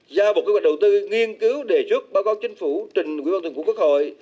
giao bộ kế hoạch đầu tư nghiên cứu đề xuất báo cáo chính phủ trình nguyễn văn thuận của quốc hội